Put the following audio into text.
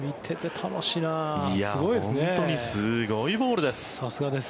本当にすごいボールです。